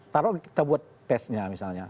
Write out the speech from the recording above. taruh kita buat tesnya misalnya